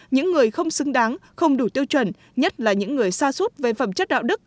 những người không xứng đáng không đủ tiêu chuẩn nhất là những người xa suốt về phẩm chất đạo đức